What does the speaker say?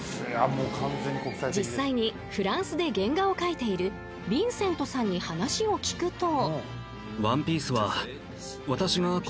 ［実際にフランスで原画を描いているヴィンセントさんに話を聞くと］